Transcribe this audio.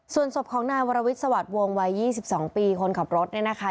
ส่วนศพของนายวรวิทย์สวัสดิ์วงวัย๒๒ปีคนขับรถเนี่ยนะคะ